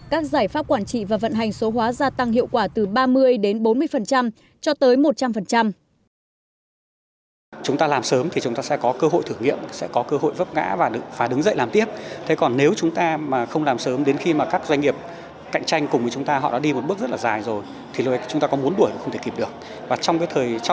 các giải pháp quản trị và vận hành số hóa gia tăng hiệu quả từ ba mươi đến bốn mươi cho tới một trăm linh